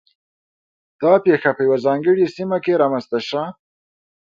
دا پېښه په یوه ځانګړې سیمه کې رامنځته شوه